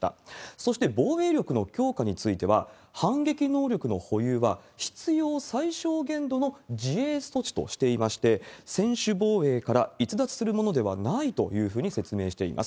そして、防衛力の強化については、反撃能力の保有は必要最小限度の自衛措置としていまして、専守防衛から逸脱するものではないというふうに説明しています。